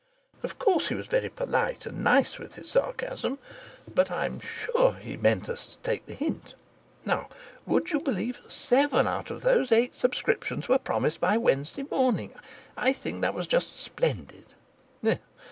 Of course he was very polite and nice with his sarcasm, but I'm sure he meant us to take the hint. Now, would you believe, seven out of those eight subscriptions were promised by Wednesday morning! I think that was just splendid!"